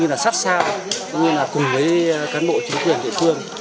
nhân dân rất quan tâm sát sao cùng với cán bộ chính quyền địa phương